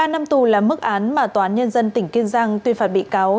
ba năm tù là mức án mà tòa án nhân dân tỉnh kiên giang tuyên phạt bị cáo